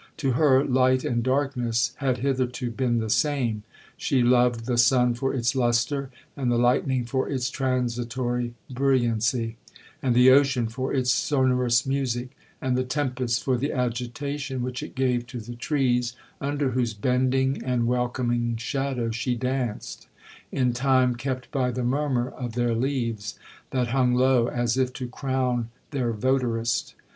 To her, light and darkness had hitherto been the same; she loved the sun for its lustre, and the lightning for its transitory brilliancy, and the ocean for its sonorous music, and the tempest for the agitation which it gave to the trees, under whose bending and welcoming shadow she danced, in time kept by the murmur of their leaves, that hung low, as if to crown their votarist.